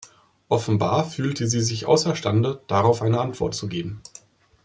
Offenbar fühlte sie sich außerstande, darauf eine Antwort zu geben.